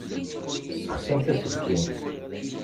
Tessexsimt aselkim.